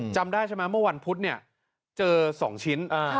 จำได้ใช่ไหมเมื่อวันพุธเนี่ยเจอ๒ชิ้น